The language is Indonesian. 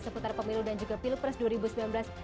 seputar pemilu dan juga pilpres dua ribu sembilan belas